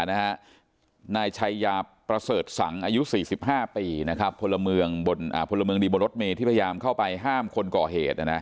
นายชัยยาประเสริฐสังอายุ๔๕ปีพลเมืองดีบนรถเมย์ที่พยายามเข้าไปห้ามคนก่อเหตุ